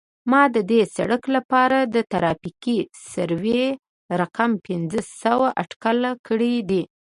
ما د دې سرک لپاره د ترافیکي سروې رقم پنځه سوه اټکل کړی دی